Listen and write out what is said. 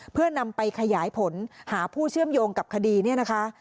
เพื่อนำไปขยายผลหาผู้เชื่อมโยงกับคดีเนี่ยนะคะ